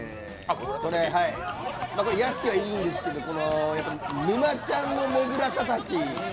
これは屋敷はいいんですけど、「沼ちゃんのモグラたたき」。